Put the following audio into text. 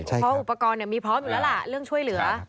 เพราะอุปกรณ์มีพร้อมอยู่แล้วล่ะเรื่องช่วยเหลือ